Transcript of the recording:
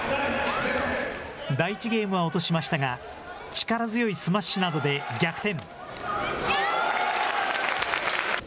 第１ゲームは落としましたが、力強いスマッシュなどで逆転。